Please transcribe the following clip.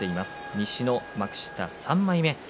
西の幕下３枚目です。